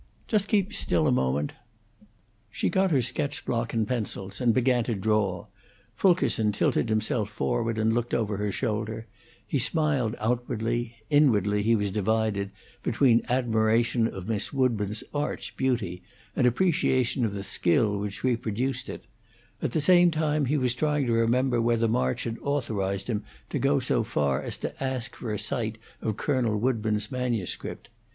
"Just keep still a moment!" She got her sketch block and pencils, and began to draw; Fulkerson tilted himself forward and looked over her shoulder; he smiled outwardly; inwardly he was divided between admiration of Miss Woodburn's arch beauty and appreciation of the skill which reproduced it; at the same time he was trying to remember whether March had authorized him to go so far as to ask for a sight of Colonel Woodburn's manuscript.